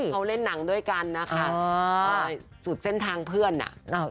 เขาเล่นหนังด้วยกันนะคะสุดเส้นทางเพื่อนอ่ะ